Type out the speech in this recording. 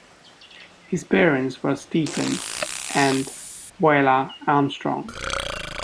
His parents were Stephen and Viola Armstrong.